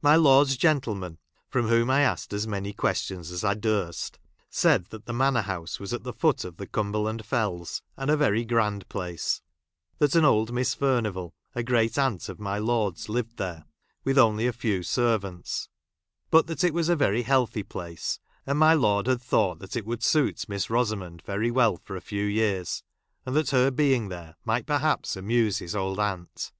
My lord's gentleman, from whom I asked as many Questions as I durst, said that the Manor House was at the foot of the Cumber 1 land Fells, and a very grand place ; that a,n ' old Miss Furnivall, a great aunt of my lord's, ! lived there, with only a few servants ; but that it was a very healthy place, and my lord had thought that it would suit Miss Rosa¬ mond very well for a few yeai's, and that her 1 being there might perhaps amuse his old aunt.